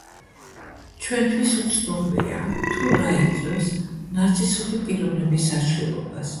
ჩვენთვის უცნობია თუ რა იწვევს ნარცისული პიროვნების აშლილობას.